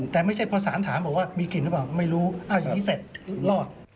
แต่ไม่ใช่พอสารถามบอกว่ามีกลิ่นหรือเปล่าไม่รู้อ้าวอย่างนี้เสร็จรอด